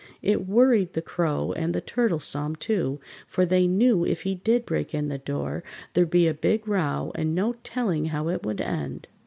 It worried the Crow and the Turtle some, too, for they knew if he did break in the door there'd be a big row and no telling how it would end.